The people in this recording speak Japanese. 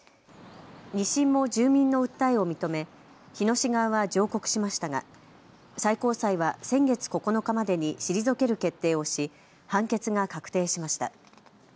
２審も住民の訴えを認め日野市側は上告しましたが最高裁は先月９日までに退ける決定をし判決が確定しました。